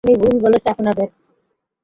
উনি ভুল বলছেন আপনাদের!